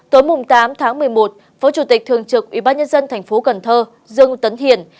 tối tám tháng một mươi một phó chủ tịch thường trực ubnd tp cn dương tấn hiển